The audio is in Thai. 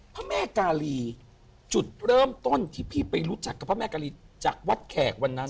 พระแม่กาลีจุดเริ่มต้นที่พี่ไปรู้จักกับพระแม่กาลีจากวัดแขกวันนั้น